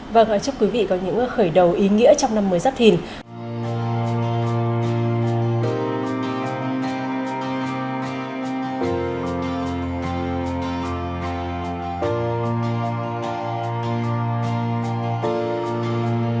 vâng chúc quý vị có những khởi đầu ý nghĩa trong năm mới giáp thìn